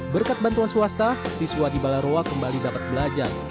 berkat bantuan swasta siswa di balarowa kembali dapat belajar